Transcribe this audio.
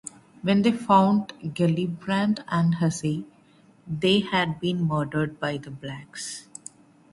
When they found Gellibrand and Hesse, they had been murdered by the blacks.